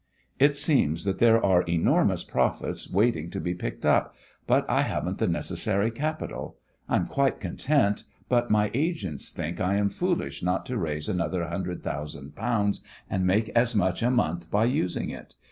"It seems that there are enormous profits waiting to be picked up, but I haven't the necessary capital. I am quite content, but my agents think I am foolish not to raise another hundred thousand pounds and make as much a month by using it.